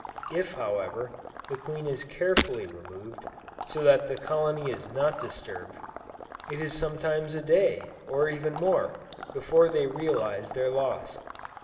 If however, the queen is carefully removed, so that the colony is not disturbed, it is sometimes a day, or even more, before they realize their loss.